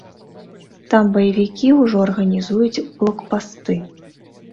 Там баевікі ўжо арганізуюць блокпасты.